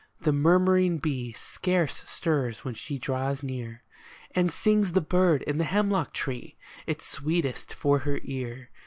The murmuring bee Scarce stirs when she draws near, And sings the bird in the hemlock tree Its sweetest for her ear.